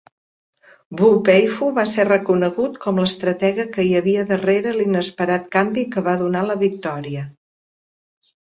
Wu Peifu va ser reconegut com l'estratega que hi havia darrere l'inesperat canvi que va donar la victòria.